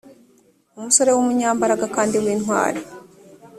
umusore w umunyambaraga kandi w intwari